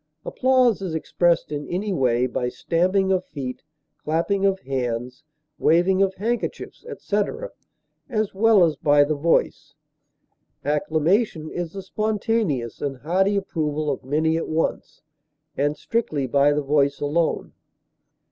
Applause is expressed in any way, by stamping of feet, clapping of hands, waving of handkerchiefs, etc., as well as by the voice; acclamation is the spontaneous and hearty approval of many at once, and strictly by the voice alone.